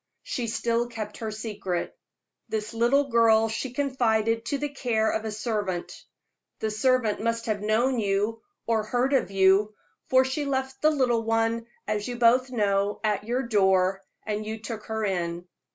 She still kept her secret. This little child she confided to the care of a servant. The servant must have known you or heard of you, for she left the little one, as you both know, at your door, and you took her in.